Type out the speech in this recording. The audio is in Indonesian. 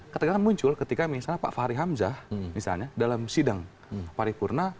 katakan muncul ketika misalnya pak fahri hamzah misalnya dalam sidang paripurna